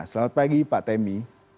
selamat pagi pak temi